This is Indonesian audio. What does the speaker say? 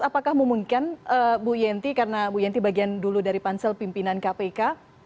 apakah memungkinkan bu yenti karena bu yenti bagian dulu dari pansel pimpinan kpk